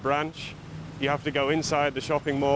มีส่วนผิดต่างดีกว่า